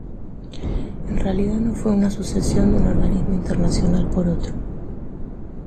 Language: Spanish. En realidad no fue una sucesión de un organismo internacional por otro.